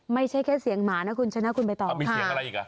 ไม่ใช่แค่เสียงหมานะคุณชนะคุณใบตองมีเสียงอะไรอีกอ่ะ